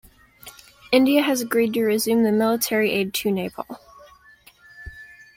India has agreed to resume the military aid to Nepal.